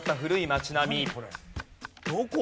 どこ？